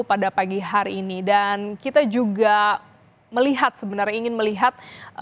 pada pagi hari ini dan kita juga melihat sebenarnya ingin melihat